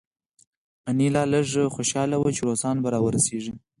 انیلا لږه خوشحاله وه چې روسان به راورسیږي